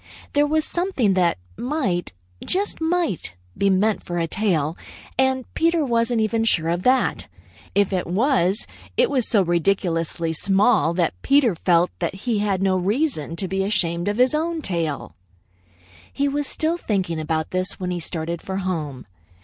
There was something that might, just might, be meant for a tail, and Peter wasn't even sure of that. If it was, it was so ridiculously small that Peter felt that he had no reason to be ashamed of his own tail. He was still thinking about this when he started for home.